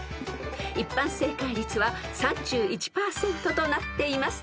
［一般正解率は３１％となっています］